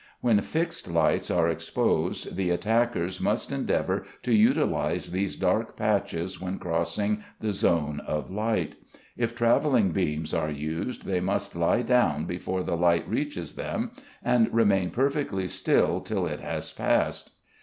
When fixed lights are exposed the attackers must endeavour to utilise these dark patches when crossing the zone of light; if travelling beams are used they must lie down before the light reaches them and remain perfectly still till it has passed.